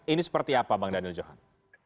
ini seperti apa bang daniel johan